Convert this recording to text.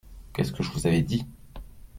Qu’est-ce que je vous avais dit !